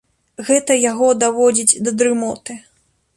Гэта яго даводзіць да дрымоты.